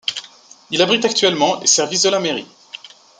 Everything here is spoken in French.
Il abrite actuellement les services de la mairie.